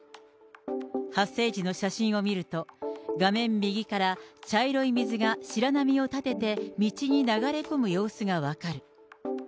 発生時の写真を見ると、画面右から茶色い水が、白波を立てて水に流れ込む様子が分かる。